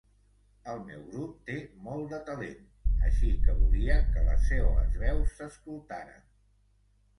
El meu grup té molt de talent, així que volia que les seues veus s'escoltaren.